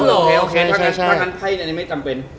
โอ้โหโอเคถ้านั้นไพ่อันนี้ไม่จำเป็น